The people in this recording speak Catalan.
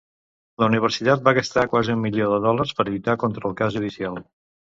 La universitat va gastar quasi un milió de dòlars per lluitar contra el cas judicial.